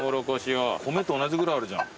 米と同じぐらいあるじゃん。